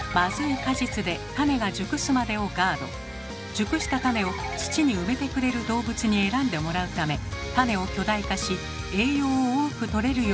熟した種を土に埋めてくれる動物に選んでもらうため種を巨大化し栄養を多くとれるように進化。